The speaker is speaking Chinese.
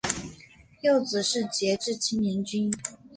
幼子是杰志青年军。